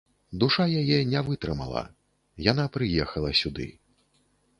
Душа яе не вытрымала, яна прыехала сюды.